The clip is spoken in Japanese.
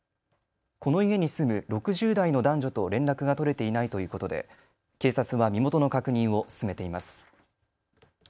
この家に住む６０代の男女と連絡が取れていないということで警察は身元の確認を進めています。